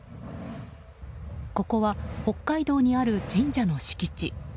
ここは北海道にある神社の敷地。